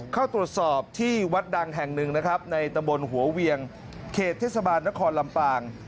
เข้าตรวจสอบที่วัดดังแห่งหนึ่งนะครับในตำบลหัวเวียงเขตเทศบาลนครลำปาง